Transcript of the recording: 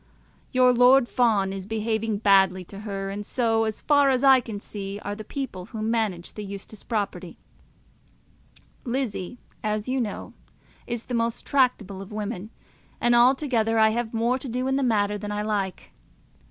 Your Lord Fawn is behaving badly to her; and so, as far as I can see, are the people who manage the Eustace property. Lizzie, as you know, is not the most tractable of women, and altogether I have more to do in the matter than I like.